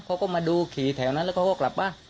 เขาก็มาดูขี่แถวนั้นแล้วเขาก็กลับบ้าน